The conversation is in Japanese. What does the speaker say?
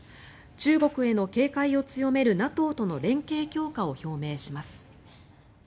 中国への警戒を強めるＮＡＴＯとの連携強化を表明します。